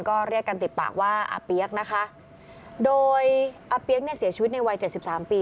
ก็เรียกกันติดปากว่าอาเปี๊ยกนะคะโดยอาเปี๊ยกเนี่ยเสียชีวิตในวัยเจ็ดสิบสามปี